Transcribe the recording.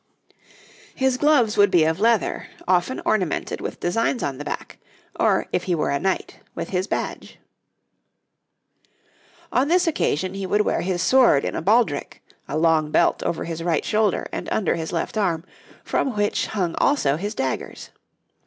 His gloves would be of leather, often ornamented with designs on the back, or, if he were a knight, with his badge. On this occasion he would wear his sword in a baldric, a long belt over his right shoulder and under his left arm, from which hung also his daggers.